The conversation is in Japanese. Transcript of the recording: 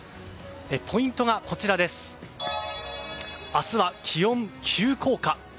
ポイントは明日は気温急降下。